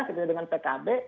kedua dengan pkb